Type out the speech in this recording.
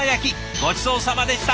ごちそうさまでした。